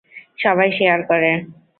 সবাই শেয়ার করে।